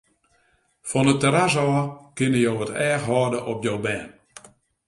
Fan it terras ôf kinne jo it each hâlde op jo bern.